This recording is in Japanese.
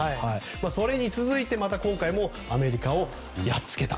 それに続いてアメリカをやっつけた。